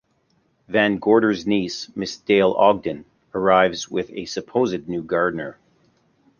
Van Gorder's niece, Miss Dale Ogden, arrives with a supposed new gardener.